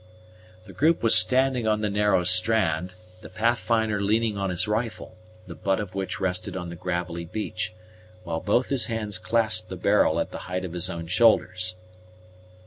The group was standing on the narrow strand, the Pathfinder leaning on his rifle, the butt of which rested on the gravelly beach, while both his hands clasped the barrel at the height of his own shoulders.